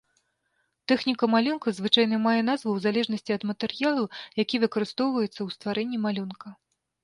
Тэхніка малюнка, звычайна, мае назву ў залежнасці ад матэрыялу, які выкарыстоўваецца ў стварэнні малюнка.